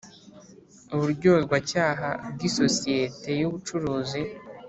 Uburyozwacyaha bw isosiyete y ubucuruzi